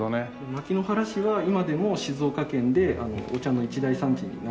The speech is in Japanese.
牧之原市は今でも静岡県でお茶の一大産地になっています。